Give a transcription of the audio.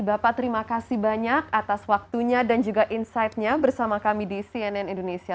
bapak terima kasih banyak atas waktunya dan juga insightnya bersama kami di cnn indonesia